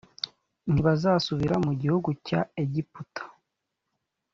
ntibazasubira mu gihugu cya egiputa